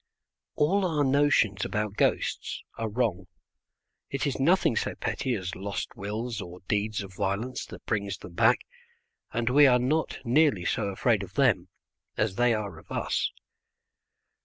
All our notions about ghosts are wrong. It is nothing so petty as lost wills or deeds of violence that brings them back, and we are not nearly so afraid of them as they are of us.